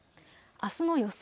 あすの予想